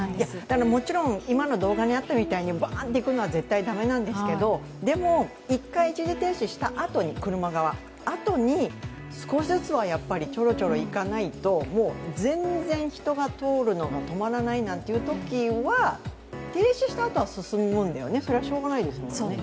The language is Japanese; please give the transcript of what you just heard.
もちろん、今の動画にあったようにばーっといくのはもちろん駄目なんですけどでも、１回一時停止したあと車側、あとに少しずつちょろちょろ行かないともう全然、人が通るのが止まらないなんていうときは停止したあとは進むもんだよね、それはしょうがないもんね。